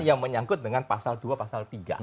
yang menyangkut dengan pasal dua pasal tiga